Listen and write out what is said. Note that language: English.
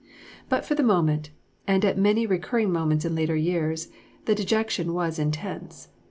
But for the moment, and at many recurring moments in later years, the dejection was intense.